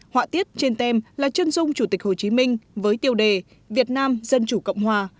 họa tiết trên tem là chân dung chủ tịch hồ chí minh với tiêu đề việt nam dân chủ cộng hòa